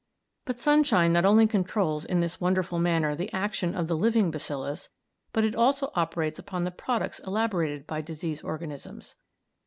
But sunshine not only controls in this wonderful manner the action of the living bacillus, but it also operates upon the products elaborated by disease organisms.